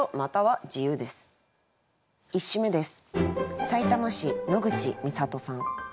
１首目です。